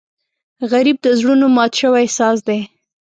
غریب د زړونو مات شوی ساز دی